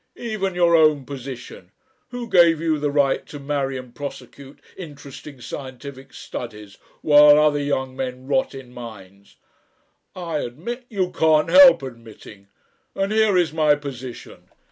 Even your own position Who gave you the right to marry and prosecute interesting scientific studies while other young men rot in mines?" "I admit " "You can't help admitting. And here is my position.